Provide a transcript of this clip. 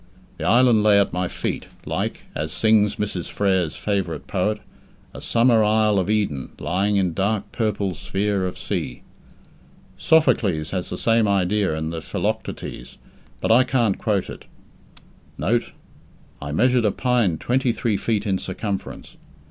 The island lay at my feet like as sings Mrs. Frere's favourite poet "a summer isle of Eden lying in dark purple sphere of sea". Sophocles has the same idea in the Philoctetes, but I can't quote it. Note: I measured a pine twenty three feet in circumference.